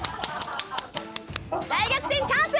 大逆転チャンス！